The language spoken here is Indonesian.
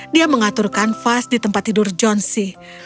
dia mengatur kanvas di tempat tidur johnsy